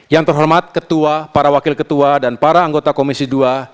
yang terhormat ketua para wakil ketua dan para anggota komisi dua